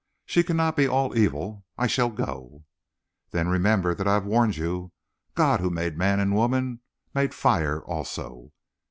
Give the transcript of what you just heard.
She cannot be all evil. I shall go." "Then, remember that I have warned you. God, who made man and woman, made fire also."